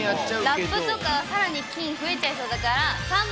ラップとか、さらに菌増えちゃいそうだから３番。